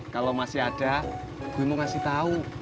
kalau masih ada gue mau kasih tau